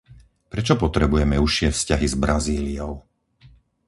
Prečo potrebujeme užšie vzťahy s Brazíliou?